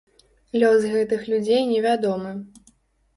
Лёс гэтых людзей невядомы.